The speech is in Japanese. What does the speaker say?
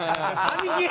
兄貴！